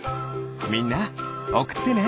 みんなおくってね。